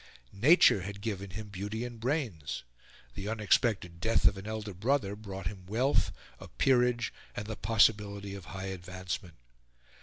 Nature had given him beauty and brains; the unexpected death of an elder brother brought him wealth, a peerage, and the possibility of high advancement.